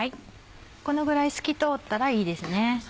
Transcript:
このぐらい透き通ったらいいですね。